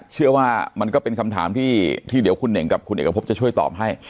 เชื่อว่ามันก็เป็นคำถามที่เดี๋ยวคุณเน่งกับคุณเอกพบจะช่วยตอบให้